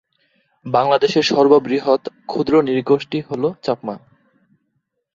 বাংলাদেশের সর্ববৃহৎ ক্ষুদ্র নৃগোষ্ঠী হল চাকমা।